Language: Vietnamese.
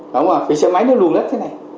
vì xe máy nó lùn lất thế này